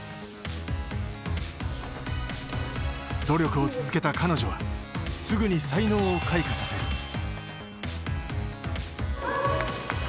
努力を続けた彼女はすぐに才能を開花させる。